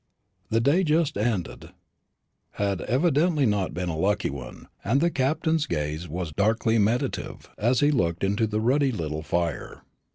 The day just ended had evidently not been a lucky one, and the Captain's gaze was darkly meditative as he looked into the ruddy little fire.